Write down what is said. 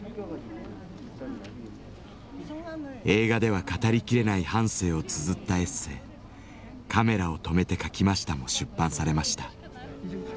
映画では語りきれない半生をつづったエッセー「カメラを止めて書きました」も出版されました。